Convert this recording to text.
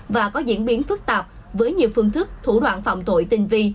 và có diễn biến phức tạp với nhiều phương thức thủ đoạn phạm tội tinh vi